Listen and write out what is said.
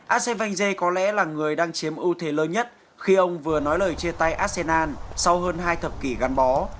asean vang zê có lẽ là người đang chiếm ưu thế lớn nhất khi ông vừa nói lời chia tay asean sau hơn hai thập kỷ gắn bó